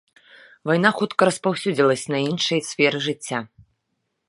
Вайна хутка распаўсюдзілася на іншыя сферы жыцця.